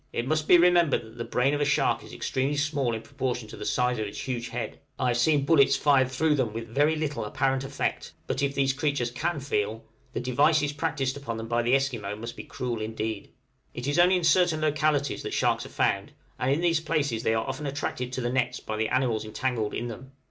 It must be remembered that the brain of a shark is extremely small in proportion to the size of its huge head. I have seen bullets fired through them with very little apparent effect; but if these creatures can feel, the devices practised upon them by the Esquimaux must be cruel indeed. {THE ARCTIC SHARK.} It is only in certain localities that sharks are found, and in these places they are often attracted to the nets by the animals entangled in them.